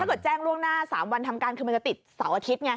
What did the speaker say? เกิดแจ้งล่วงหน้า๓วันทำการคือมันจะติดเสาร์อาทิตย์ไง